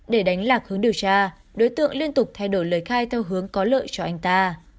để đánh lạc hướng điều tra đối tượng liên tục thay đổi lời khai theo hướng có lợi cho anh ta